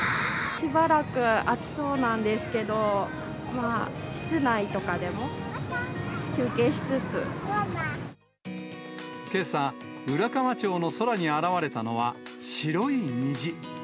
しばらく暑そうなんですけど、けさ、浦河町の空に現れたのは、白い虹。